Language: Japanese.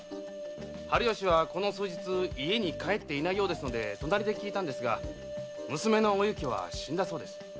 春芳はこの数日家に帰ってないようで隣できいたんですが娘のお雪は死んだそうです。